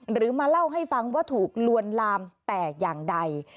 หรือมาเล่าให้ฟังว่าถูกลวนลามแตกอย่างใด